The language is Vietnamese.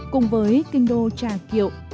cùng với kinh đô trà kiệu